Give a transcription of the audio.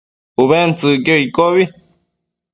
Ubentsëcquio iccobi